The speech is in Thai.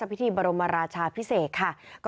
ในเวลาเดิมคือ๑๕นาทีครับ